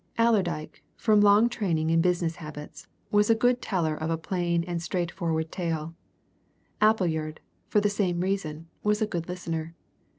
Allerdyke, from long training in business habits, was a good teller of a plain and straightforward tale: Appleyard, for the same reason, was a good listener.